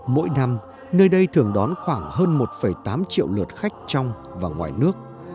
mỗi năm nơi đây thường đón khoảng hơn một tám triệu lượt khách trong và ngoài nước